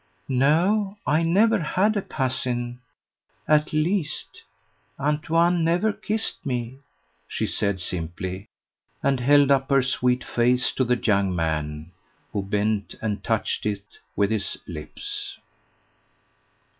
"No, I never had a cousin at least, Antoine never kissed me," she said simply, and held up her sweet face to the young man, who bent and touched it with his lips.